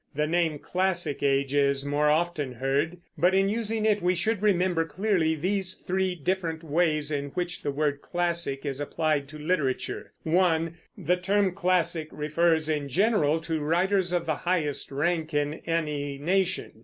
The name Classic Age is more often heard; but in using it we should remember clearly these three different ways in which the word "classic" is applied to literature: (1) the term "classic" refers, in general, to writers of the highest rank in any nation.